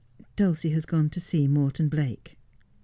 Dulcie has gone to see Morton Blake.'